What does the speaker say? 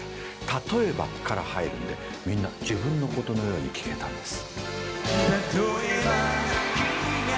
「たとえば」から入るんでみんな自分のことのように聴けたんです。